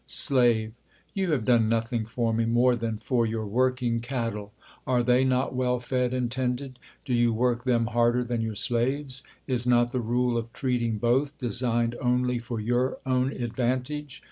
Slave. You have done nothing for me more than for your working cattle. Are they not well fed and tended ? do you w^ork them harder than your slaves ? is not the rule of treating both designed only for your own advantage